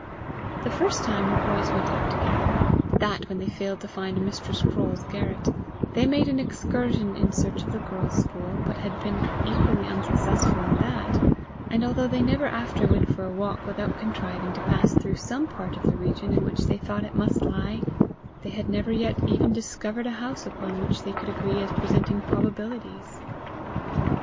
The first time the boys went out together, that when they failed to find Mistress Croale's garret, they made an excursion in search of the girls' school, but had been equally unsuccessful in that; and although they never after went for a walk without contriving to pass through some part of the region in which they thought it must lie, they had never yet even discovered a house upon which they could agree as presenting probabilities.